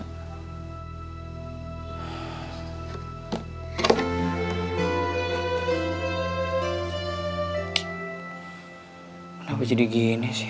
kenapa jadi gini sih